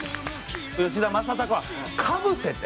吉田正尚はかぶせて。